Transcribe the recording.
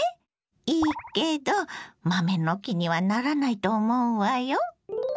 いいけど豆の木にはならないと思うわよ。